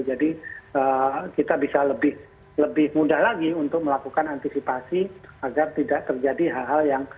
jadi kita bisa lebih mudah lagi untuk melakukan antisipasi agar tidak terjadi hal hal yang